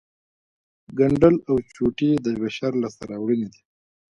ګنډل او چوټې د بشر لاسته راوړنې دي